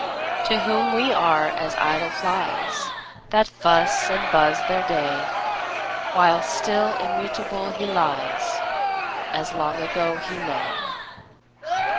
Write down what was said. To whom we are as idle flies, That fuss and buzz their day; While still immutable he lies, As long ago he lay.